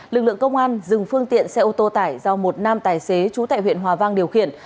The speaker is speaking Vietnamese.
lực lượng công an dừng phương tiện xe ô tô tải do một nam tài xế chú tại huyện hòa vang điều khiển